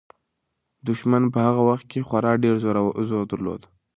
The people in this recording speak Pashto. دښمن په هغه وخت کې خورا ډېر زور درلود.